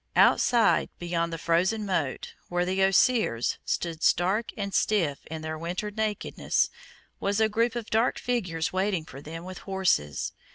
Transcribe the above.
Outside, beyond the frozen moat, where the osiers, stood stark and stiff in their winter nakedness, was a group of dark figures waiting for them with horses.